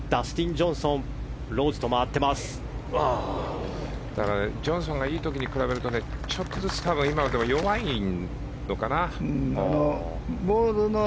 ジョンソンがいい時に比べるとちょっとずつ今のとかも弱いのかな。